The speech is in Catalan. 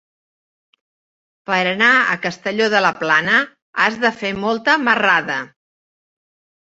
Per anar a Castelló de la Plana has de fer molta marrada.